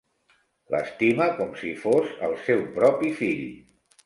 L'estima com si fos el seu propi fill.